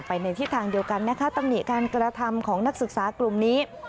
ในทิศทางเดียวกันนะคะตำหนิการกระทำของนักศึกษากลุ่มนี้